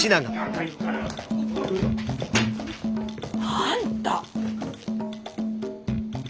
あんた。